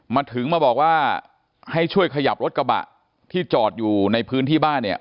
มาถึงมาบอกว่าให้ช่วยขยับรถกระบะที่จอดอยู่ในพื้นที่บ้านเนี่ย